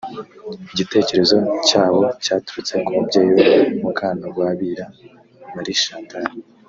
igitekerezo cyawo cyaturutse ku mubyeyi we Mukantagwabira M Chantal